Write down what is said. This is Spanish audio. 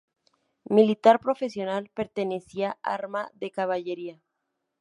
Militar profesional, pertenecía arma de caballería.